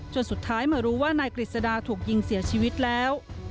สุดท้ายมารู้ว่านายกฤษดาถูกยิงเสียชีวิตแล้ว